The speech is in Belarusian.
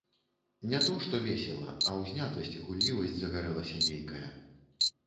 Не то што весела, а ўзнятасць, гуллівасць загарэлася нейкая.